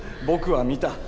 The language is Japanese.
僕は見た。